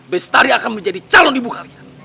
bestari akan menjadi calon ibu kalian